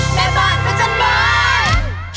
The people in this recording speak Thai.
แม่บ้านพันธุ์บ้าน